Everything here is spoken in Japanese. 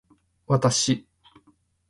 わたし